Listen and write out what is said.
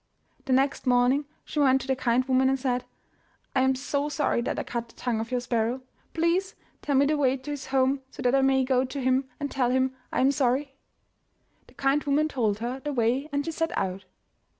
The next morning she went to the kind woman and said, I am so sorry that I cut the tongue of your sparrow. Please tell me the way to his home so that I may go to him and tell him I am sorry." The kind woman told her the way and she set out.